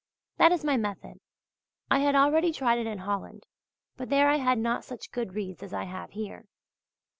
That is my method. I had already tried it in Holland; but there I had not such good reeds as I have here.